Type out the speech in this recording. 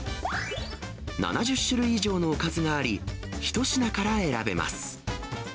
７０種類以上のおかずがあり、１品から選べます。